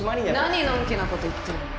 何のんきなこと言ってんの